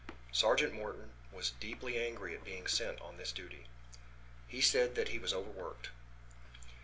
Sergeant Morton was deeply angry at being sent on this duty. He said that he was over worked.